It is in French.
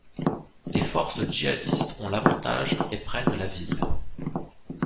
Les forces djihadistes ont l'avantage et prennent la ville.